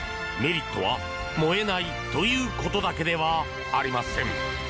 メリットは燃えないということだけではありません。